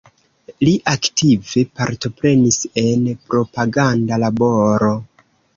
Li aktive partoprenis en propaganda laboro.